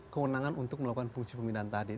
kewenangan untuk melakukan fungsi pemindahan tadi